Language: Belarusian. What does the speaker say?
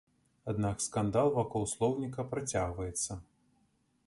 Аднак скандал вакол слоўніка працягваецца.